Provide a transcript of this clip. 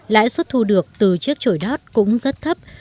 lãi suất thu được từ chiếc chổi đót cũng rất thấp